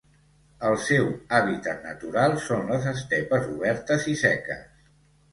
El seu hàbitat natural són les estepes obertes i seques.